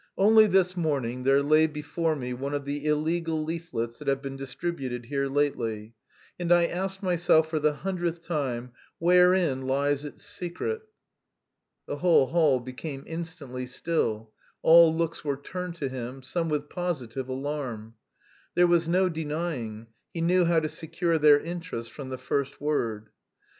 Only this morning there lay before me one of the illegal leaflets that have been distributed here lately, and I asked myself for the hundredth time, 'Wherein lies its secret?'" The whole hall became instantly still, all looks were turned to him, some with positive alarm. There was no denying, he knew how to secure their interest from the first word.